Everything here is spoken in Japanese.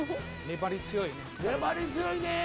粘り強いねぇ！